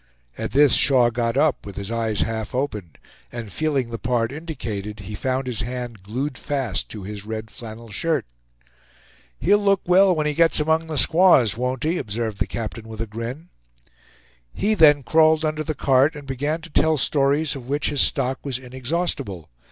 At this Shaw got up, with his eyes half opened, and feeling the part indicated, he found his hand glued fast to his red flannel shirt. "He'll look well when he gets among the squaws, won't he?" observed the captain, with a grin. He then crawled under the cart, and began to tell stories of which his stock was inexhaustible.